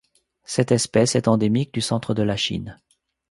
Cette espèce est endémique du centre de la Chine.